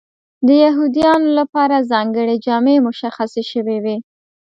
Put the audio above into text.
د یهودیانو لپاره ځانګړې جامې مشخصې شوې وې.